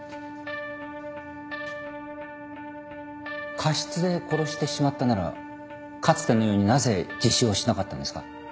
過失で殺してしまったならかつてのようになぜ自首をしなかったんですか。